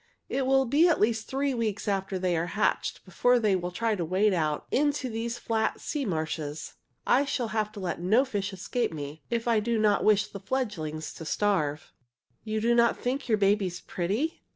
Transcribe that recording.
It will be at least three weeks after they are hatched before they will try to wade out into these flat sea marshes. I shall have to let no fish escape me, if I do not wish the fledglings to starve." "You do not think your babies pretty?"